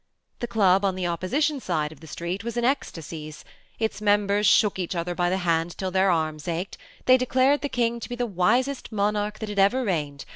The club on the opposition side of the street was in ecstasies ; its members shook each other by the hand till their arms ached ; they declared the King to be the wisest monarch that had ever reigned, and Mr» G.